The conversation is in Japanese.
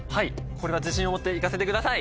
これは自信を持って行かせてください。